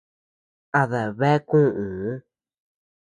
A deabea kuʼu.